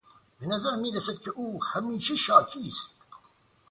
به نظر میرسد که او همیشه شاکی است.